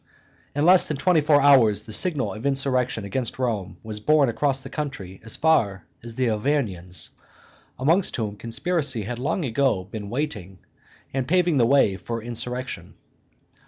In less than twenty four hours the signal of insurrection against Rome was borne across the country as far as the Arvernians, amongst whom conspiracy had long ago been waiting and paving the way for insurrection.